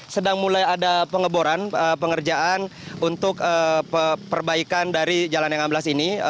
sedang mulai ada pengeboran pengerjaan untuk perbaikan dari jalan yang amblas ini